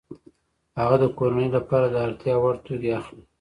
هغه د کورنۍ لپاره د اړتیا وړ توکي اخلي